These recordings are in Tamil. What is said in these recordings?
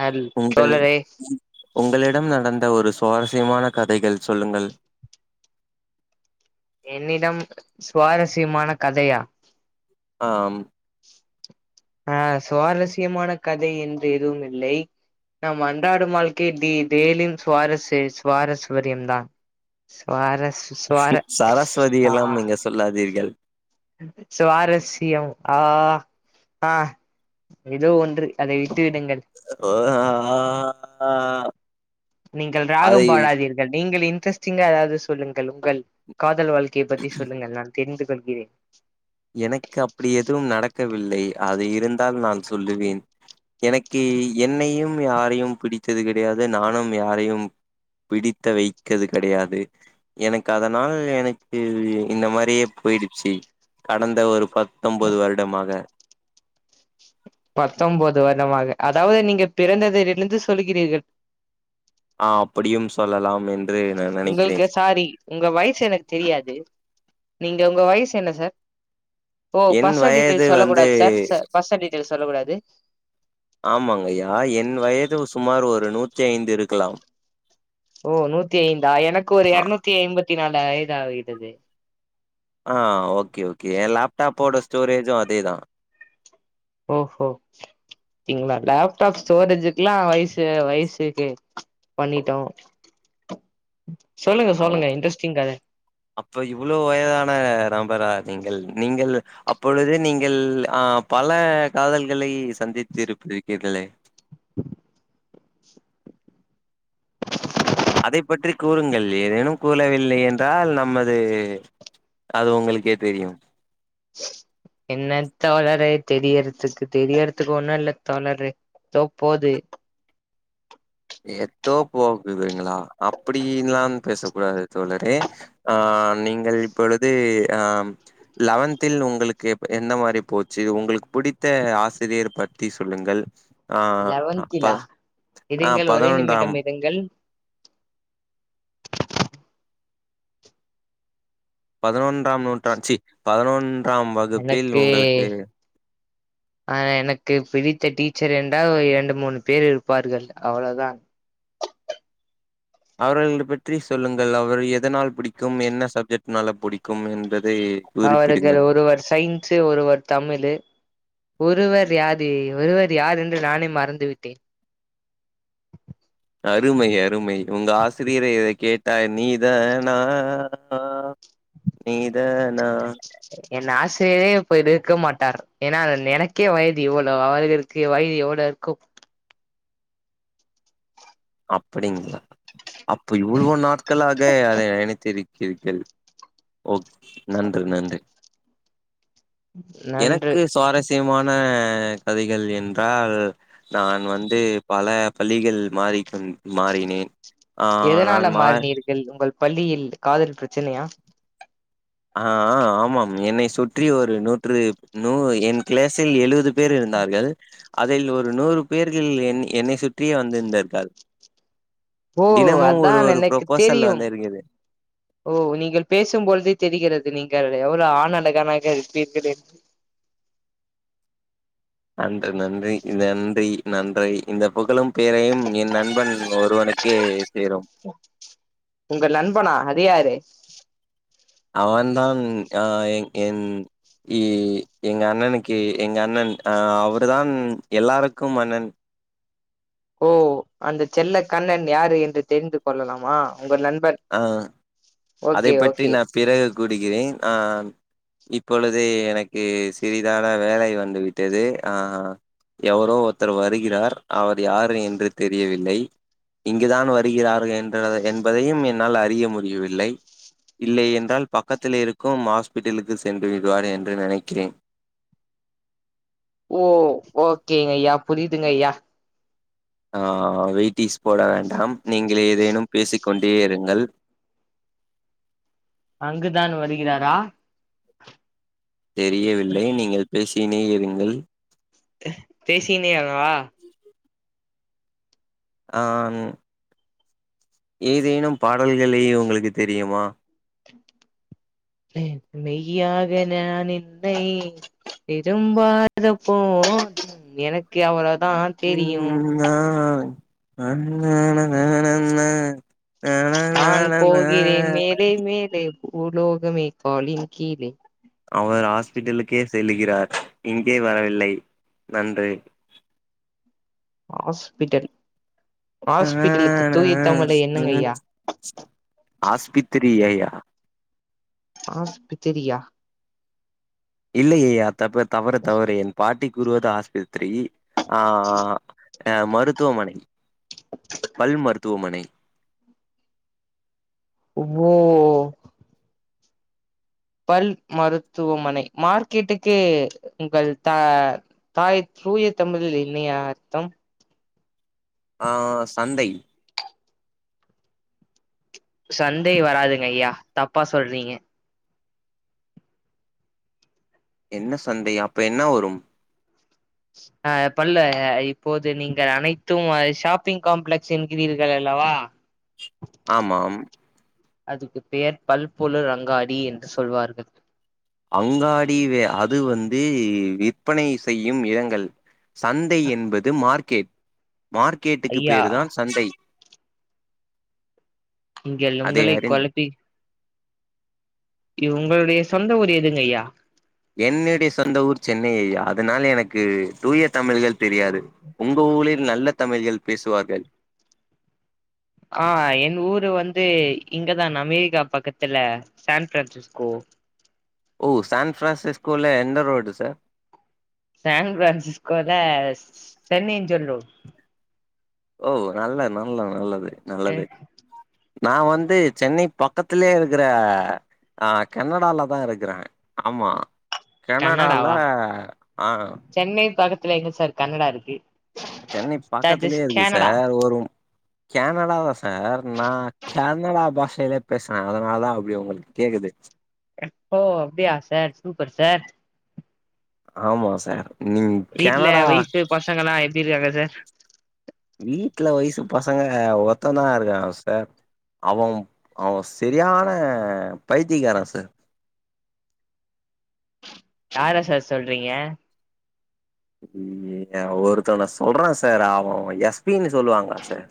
ஹல் உங்கள் தோழரே உங்களில் இடம் நடந்த ஒரு சுவாரஸ்யமான கதைகள் சொல்லுங்கள் என்னிடம் சுவாரஸ்யமான கதையா ஆம் ஆ சுவாரஸ்யமான கதை என்று எதுவும் இல்லை நம் அன்றாடும் வாழ்க்கை தே டெய்லியும் சுவாரசே சுவாரஸ்வரியம்தா சுவாரஸு சுவார சரஸ்வதி அ எல்லாம் ஆ நீங்க சொல்லாதீர்கள் சுவாரஸ்யம் ஆ ஆ எதோ ஒன்று அதை விட்டு விடுங்கள் ஒ ஆ ஆ நீங்கள் ராகம் பாடாதீர்கள் நீங்கள் இன்ட்ரெஸ்டிங்கா எதாவ்து சொல்லுங்கள் உங்கள் கா தல் வாழ்க்கைய பத்தி சொல்லுங்கள் நான் தெரிந்து கொள்கிறேன் எனக்கு அப்டி எதுவும் நடக்கவில்லை அது இருந்தால் நான் சொல்லுவேன் எனக்கு என்னையும் யாரையும் பிடித்தது கெடயாது நானும் யாரையும் பிடிக்க வைத்தது கெடயாது எனக்கு அதனால் எனக்கு இந்த மாரியே போய்டுச்சு கடந்த ஒரு பத்தம்போது வருடமாக பத்தம்போது வர்டமாக அதாவது நீங்க பிறந்ததிலிலுந்து சொல்லுகிறீர்கள் ஆ அப்பிடியும் சொல்லலாம் என்று நான் நினைக்கிறேன் உங்கள்க்கு சாரி உங்க வய்சு எனக்கு தெரியாது நீங்க உங்க வய்ஸ் என்ன சார் ஓ என் பர்ஸ்னல் வயது டீட்டெய்ல்ஸ் சொல்ல வந்து கூடாது சார் சார் பர்ஸன் டீடெய்ல்ஸ் சொல்ல கூடாது ஆமாங்கயா என் வயது சுமார் ஒரு நூத்தி ஐந்து இருக்கலாம் ஓ நூத்தி ஐந்தா எனக்கு ஒரு ஆ எர்நூத்தி ஐம்பத்தி நால் ஐதாவ்கிறது ஆ ஓகே ஓகே என் லேப்டாப்போட ஸ்டோரேஜு அதேதா ஓஃபோ திங்ளா லேப்டாப் ஸ்டோரேஜுக்குலா வய்சு வய்ஸிர்க்கு பண்ணிட்டோ [inaudible] சொல்லுங்க சொல்லுங்க இன்ட்ரஸ்டிங் கத அப்போ இவுளோ வயதான நபரா நீங்கள் நீங்கள்ளு அப்பொழுது நீங்கள் ஆ பல காதல்களை சந்தித்திருப்பி இர்பீர்களே அதை பற்றி கூறுங்கள் ஏதேனும் கூலவில்லை என்றால் நமது அது உங்களுக்கே தெரியும் என்ன தோழரே தெரியறதுக்கு தெரியறதுக்கு ஒண்ணு இல்ல தோழரு தோ போது எத்தோ போகுதுங்குளா அப்புடீன்லா பேச கூடாது தோழரே ஆ ஆ நீங்கள் இப்பொழுது ஆம் லவன்த்தில் உங்களுக்கு எப் என்ன மாரி போச்சு உங்ளு புடித்த ஆசிரியர் பத்தி சொல்லுங்கள் ஆ அப்ப நீங்கள் ஒரே நிமிடம் இருங்கள் பதுனொன்றாம் நூற்றாண் ச்சி பதுனொன்றாம் வகுப்பில் எனக்கு உங்களுக்கு ஆ எனக்கு பிடித்த டீச்சர் என்றால் இரண்டு மூணு பேர் இருப்பார்கள் அவளதான் அவர்கள்து பற்றி சொல்லுங்கள் அவ்ர்கள் எதனால் புடிக்கும் என்ன சப்ஜெக்ட்னால புடிக்கும் என்றல் அவருகள் ஒருவர் சய்ன்ஸு ஒருவர் தமிழு ஒருவர் யாதி ஒருவர் யார் என்று நானே மறந்து விட்டேன் அருமை அருமை உங்க ஆசிரியரே இதை கேட்டா நீதானா ஆ நீத நா என் ஆசிரியரே இப்ப இருக்க மாட்டார் ஏன்னா எனக்கே வயது இவ்ளோ அவர்களுக்கு வய யது எவ்ளோ இருக்கும் அப்டிங்களா அப்ப இவ்ளோ நாட்களாக அதை நினைத்திருக் கிறீர்கள் ஓக் நன்று நன்று நன்று எனக்கு சுவாரஸ்யமான அ கதைகள் என்றால் நான் வந்து பல பள்ளிகள் மாறி கல் மாறினேன் நான் எதனால மா மாறினீர்கள் உங்கள் பள்ளியில் காதல் ப்ரச்சனையா ஆ ஆ ஆமாம் என்னை சுற்றி ஒரு நூற்று நூ என் க்ளாஸில் எழுவது பேர் இருந்தார்கள் அதில் ஒரு நூறு பேர்களில் என் என்னை சுற்றியே வந்திருந்தார்கள் ஓ தினமும் ஒரு அதான் ஒரு எனக்கு ப்ரொபோசல் தெரியும் வந்திருக்குது ஓ நீங்கள் பேசும்பொழுது தெரிகிறது நீங்கள் எவ்ளோ ஆண் அழகனாக இருப்பீர்கள் என்று அன்று நன்றி இத நன்றி நன்றி இந்த புகழும் பேரையும் என் நண்பன் ஒருவனுக்கு சேரும் உங்கள் நண்பனா அது யாரு அவன் தான் அ எங் என் இ எங்க அண்ணனுக்கு எங்க அண்ணன் ஆ அவரு தான் எல்லாருக்கும் அண்ணன் ஓ அந்த செல்ல கண்ணன் யாரு என்று தெரிந்து கொள்ளலாமா அங்க ஒரு நண்பர் ஆ அதை பற்றி நா பிறகு கூறுகிறேன் அ ஆ இப்பொழுதே எனக்கு சிறிதான வேலை வந்து விட்டது ஆ ஹா எவரோ ஒருத்தர் வருகிறார் அவர் யார் என்று தெரியவில்லை இங்குதான் வருகிறார்கள் என்றதை என்பதையும் என்னால் அறிய முடியவில்லை இல்லை என்றால் பக்கத்துல இருக்கும் ஹாஸ்பிட்டலுக்கு சென்று விடுவார் என்று நெனக்கிறேன் ஓ ஓகேங்க ஐயா புரியுதுங்க ஐயா ஆ ஆ வெட்டீஸ் போட வேண்டாம் நீங்க களே ஏதேனும் பேசிக் கொண்டே இருங்கள் அங்குதான் வருகிறாரா தெரியவில்லை நீங்கள் பேசிக்கினே இருங்கள் பேசிக்னே வா ஆ ஆ ம் ஏதேனும் பாடல்களே உங்களுக்கு தெரியுமா மெய்யாக நான் என்னை திரும்பாத போ து எனக்கு அவ்வளோதா தெரியும் ம் ஆ நான் போகிறேன் மேலே மேலே பூலோகமே காலின் கீழே அவர் ஹாஸ்பிட்டலுக்கே செல்கிறார் இங்கே வரவில்லை நன்று ஹாஸ்பிட்டல் ஹாஸ்பிட்டலுக்கு தூய தமிழ்ல என்னங்க ஐயா ஹாஸ்பித்திரி ஐயா ஆஸ் பித்தரியா இல்லை ஐயா தப்பு தவறு தவறு என் பாட்டி கூறுவது ஆஸ்பத்ரி ஆ ஆ அ மருத்துவமனை பல் மருத்துவமனை ஓ பல் மருத்துவமனை மார்க்கெட்டுக்கு உங்கள் தா தாய் தூய தமிழில என்னய்யா அர்த்தம் ஆ சந்தை சந்தை வராதுங்க ஐயா தப்பா சொல்றீங்க என்ன சந்தை அப்ப என்ன வரும் ஆ பல்ல இப்போது நீங்கள் அனைத்தும் ஷாப்பிங் காம்ப்ளெக்ஸ் என்கிறீர்கள் அல்லா வா ஆமாம் அதுக்கு பெயர் பல்பொழுள் அங்காடி என்று சொல்வார்கள் அங்காடி வே அது வந்து விற்பனை செய்யும் இரங்கள் சந்தை என்பது மார்க்கெட் மார்க்கெட்டுக்கு ஐயா பேரு தான் சந்தை நீங்கள் அதை உங்களை அறிந் கொழப்பி உங்களுடைய சொந்த ஊர் எதுங்கய்யா என்னுடைய சொந்த ஊர் சென்னையய்யா அதனால எனக்கு தூய தமிழ்கள் தெரியாது உங்க ஊர் ஊரில் நல்ல தமிழ்கள் பேசுவார்கள் ஆ என் ஊரு வந்து இங்கதா அமெரிக்கா பக்கத்துல சான் ஃபிரான்சிஸ்கோ ஓ சான்ஃப்ரான்சிஸ்கோல என்த ரோடு சார் சான் ஃபிரான்சிஸ்கோல சென்னைஞ்சல் ரோட் ஓ நல்ல நல்ல நல்லது ஏ நல்லது நான் வந்து சென்னை பக்கத்திலயே இருக்கிற ஆ கனடால தான் இருக்கிறே ஆமா கனடால கன்னடாவா ஆ துல எங்க சார் கன்னடா இருக்கு சென்னை தட் இஸ் பக்கத்துலயே இருக்கு கேனடா சார் வரும் கேனடா தா சார் நான் கேனடா பாஸ் ஷலே பேசுறே அதனால தா அப்பிடி உங்களுக்கு கேக்குது ஓ அப்டியா சார் சூப்பர் சார் ஆமா சார் நீங் வீட்ல கனடா வய்ஃபு பசங்க எல்லா எப்பிடி இருக்காங்க சார் வீட்ல வயசுப் பசங்க ஒருத்த தா இருக்காங்க சார் அவம் அவ செரியான பைத்தியக்கார சார் யார சார் சொல்றீங்க ம் ஒருத்தவன சொல்ற சார் அவ எஸ்பினு சொல்லுவாங்க சார்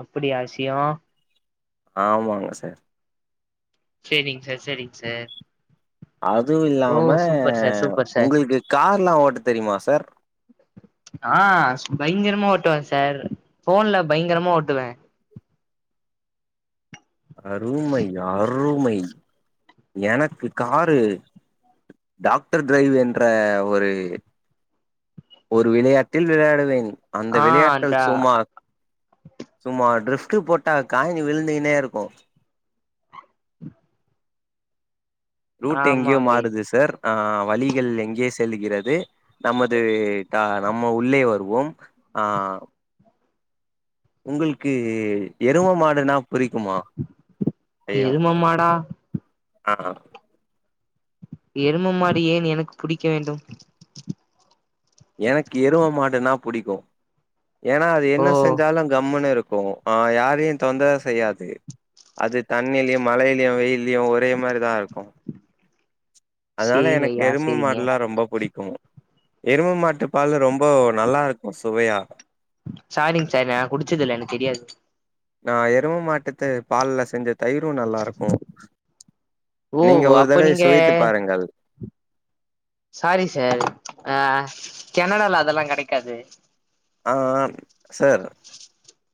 அப்பிடியா விசியோ ஆமாங்க சார் செரிங்க சார் செரிங்க சார் அதுவு ஓ இல்லாம சூப்பர் சார் சூப்பர் சார் உங்களுக்கு கார் எல்லா ஓட்ட தெரியுமா சார் ஆ பயங்கரமா ஓட் டுவ சார் போன்ல பயங்கரமா ஓட்டுவ அருமை அருமை எனக்கு காரு டாக்டர் டிரைவ் என்ற ஒரு ஒரு விளையாட்டில் விளையாடுவேன் அந்த ஆ விளையாட்டல் டா சும்மா சும்மா டிரிஸ்கு போட்டா காயினு விழுந்துனே இருக்கு ரூட் எங்கயோ ஆமாங்க மாறுது சார் ஆ வழிகள் எங்கே செலுகிறது நமது நம்ம உள்ளே வருவோம் ஆ உங்குள்க்கு எரும மாடுனா புரிக்குமா ஐயா எரும மாடா அ அ எரும மாடு ஏன் எனக்கு புடிக்க வேண்டு எனக்கு எருவ மாடுனா புடிக்கு ஏனா அது ஓ என்ன செஞ்சாலு கம்முனு இருக் ஓ ஆ யாரயு தொந்தர செய்யாது அது தண்ணில்யு மழைல்யு வெயில் லியு ஒரே மாரிதா இருக்கு அத்னால சேரிங்க எனக்கு ஐயா எருமா சேரிங்க மாடுலா ரொம்ப புடிக்கு எரும மாட்டு பாலு ரொம்பொ நல்லாருக்கு சுவயா சாரிங் சார் நா குடிச்சதுல்ல எனக் தெரியாது நான் எரும மாட்டுத்து பால்ல செஞ்சத் தயிரு நல்லாருக்கு ஓ நீங்க ஒரு அப்ப தடவை நீங்க சுவைத்து பாருங்கள் சாரி சர் அ கெனடால அதல்லா கெடைக்காது ஆ ஆ சர்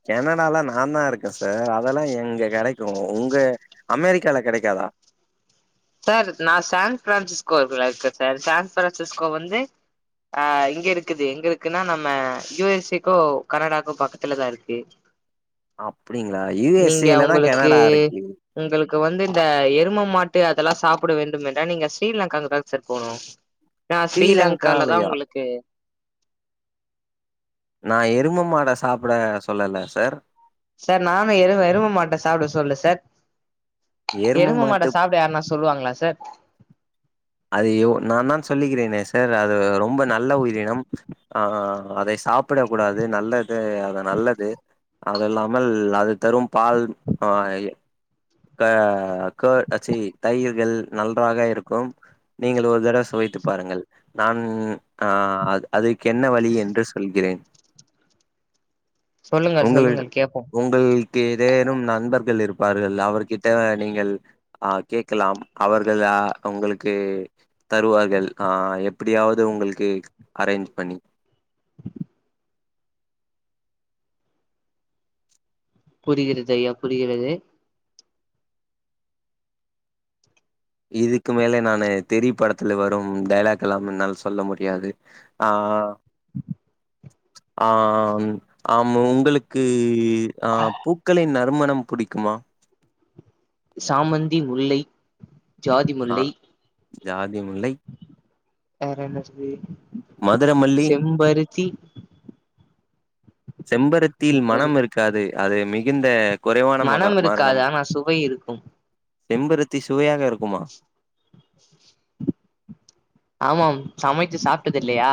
கெனடால நாந்தா இருக்க சர் அதலா எங்க கெடக்கு உங்க அமெரிக்கால கெடக்காதா சார் நா சான் பிரான்சிஸ்கோர் கிரேக்கர் சர் சான் பிரான்சிஸ்கோ வந்து அ இங்க இர்க்குது எங்கலுக்குனா நம்ம யுஎஸ்ஏ க்கோ கனடாக்கு பக்கத்துலதா இருக்கு அப்டிங்களா யூ எஸ் நீங்க ஏ லதா அவுங்களுக்கு கெனடா இருக்கு உங்களுக் வந்து இந்த எரும மாட்டு அதல்லா சாப்புட வேண்டும் என்றா நீங்க ஸ்ரீலங்காக்கு தாங்சர் போணு நா ஸ்ரீலங்கால தா ஸ்ரீலங்காலயா உங்களுக்கு நா எருமம்மாட சாப்புட சொல்லல சர் சர் நானு எருவ எருமமாட்ட சாப்ட சொல்ல சர் எரும எரும் மாட மாட்டு சாப்ட யார்னா சொல்லுவாங்ளா சர் அதுயோ நாந்தான் சொல்லிக்கிறேனே சர் அது ரொம்ப நல்ல உயிரினம் அ அதை சாப்பிட கூடாது நல்லதே அத நல்லது அதுல்லாமல் அது தரும் பால் ஆ க கொ அ சீ தயிர்கள் நன்றாக இருக்கும் நீங்கள் ஒரு தட சுவைத் த்து பாருங்கள் நான் அ அதுக்கு என்ன வழி என்று சொல்கிறேன் சொல்லுங்கள் உங்களிட சொல்லுங்கள் கேப்போ உங்கள்க் ஏதேனும் நண்பர்கள் இருப்பார்கள் அவுர் கிட்ட நீங்கள் அ கேக்கலாம் அவர்கள் அ உங்களுக்கு தருவார்கள் ஆ எப்புடியாவுது உங்கள்க்கு அரேஞ்ச் பண்ணி புரிகிறது ஐயா புரிகிறது இதுக்கு மேல நானு தெறி படத்துல வரும் டைலாக் எல்லாம் என்னால் சொல்ல முடியாது ஆ உம் ஆ ஆம உங்களுக்கு அ பூக்களின் நர் றுமணம் புடிக்குமா சாமந்தி முல்லை ஜாதி ஆ முல்லை ஜாதி முல்லை வேற என்னசுது மதுர மல்லி செம்பருத்தி செம்பருத்தியில் மனம் செம்பருத்தி இருக்காது அது மிகுந்த குறைவான மகா மனம் இருக்காது மாரணம் ஆனா சுவை இருக்கும் செம்பருத்தி சுவையாக இருக்குமா உ ஆமாம் சமைத்து சாப்ட்டது இல்லையா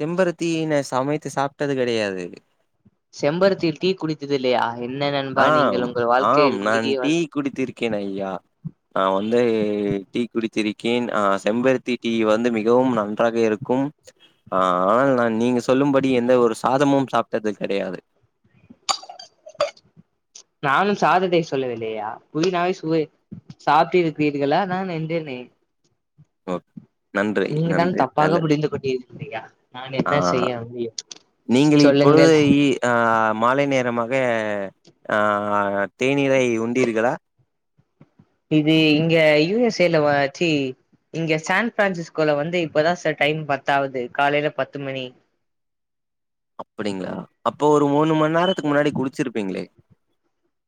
செம்பருத்தீன சமைத்து சாப்ட்டது கடையாது செம்பருத்தியில் டீ குடித்துது இல்லையா என்ன நண்பா ஆ நீங்கள் உங்கள் வாழ்க்கையில் ஆம் நான் மீறிய டீ குடித்திருக்கேன் ஐயா ஆ வந்து டீ குடித்திருக்கேன் ஆ செம்பருத்தி டீ வந் மிகவும் நன்றாக இருக்கும் ஆனால் நா நீங்க சொல்லும்படி எந்த ஒரு சாதமும் சாப்ட்ட அது கெடயாது நானும் சாதத்தை சொல்லவில்லயா புவினாவே சவை சாப்ட்டிருக்கிறீர்களா நான் என்டேனே [inaudible] நீங்கதான் நன்றி தப்பாக நல்லது புரிந்து கொண்டு இருக்கிறிய நான் ஆ என்ன செய்ய முடியு நீங்கள் இப்போ இ ஆ மாலை நேரமாக ஆ தேநீரை உண்டீர்களா இது இங்க யூஎஸ்ஸேலவாச்சி இங்க சான் பிரான்சிஸ்கோல வந்து இப்பதான் சார் டைம் பத்தாவது காலையில பத்து மணி அப்படிங்களா அப்போ ஒரு மூணு மணி நேரத்துக்கு முன்னாடி குளிச்சிருப்பீங்களே